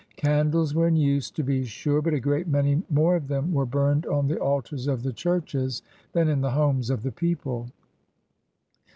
Candles were in use, to be sure, but a great many more of them were burned on the altars of the churches than in the homes of the people.